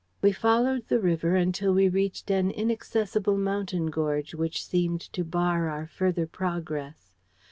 "We followed the river until we reached an inaccessible mountain gorge which seemed to bar our further progress.